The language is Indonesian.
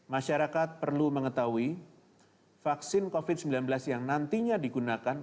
masyarakat perlu mengetahui vaksin covid sembilan belas yang nantinya digunakan